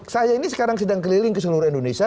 saya ini sekarang sedang keliling ke seluruh indonesia